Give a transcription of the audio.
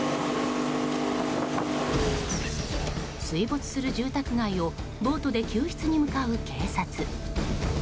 水没する住宅街をボートで救出に向かう警察。